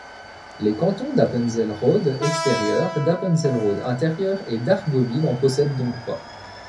Les cantons d'Appenzell Rhodes-Extérieures, d'Appenzell Rhodes-Intérieures et d'Argovie n'en possèdent donc pas.